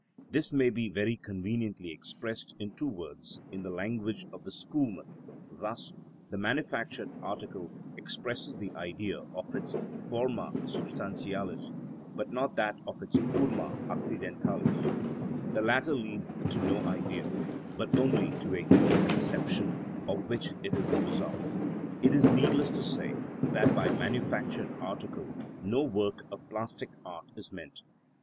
This may be very conveniently expressed in two words, in the language of the schoolmen, thus,—the manufactured article expresses the Idea of its forma substantialis, but not that of its forma accidentalis; the latter leads to no Idea, but only to a human conception of which it is the result. It is needless to say that by manufactured article no work of plastic art is meant.